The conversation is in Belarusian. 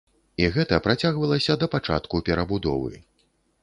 І гэта працягвалася да пачатку перабудовы.